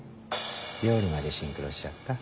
料理までシンクロしちゃった。